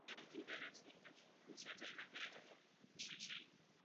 Včera byl Den žen.